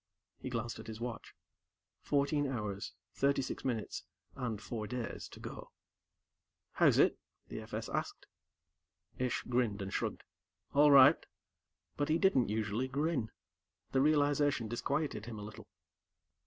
He glanced at his watch. Fourteen hours, thirty six minutes, and four days to go. "How's it?" the FS asked. Ish grinned and shrugged. "All right." But he didn't usually grin. The realization disquieted him a little.